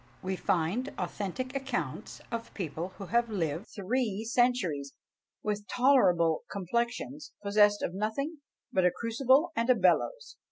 We find authentic accounts of some who have lived three centuries, with tolerable complexions, possessed of nothing but a crucible and a bellows!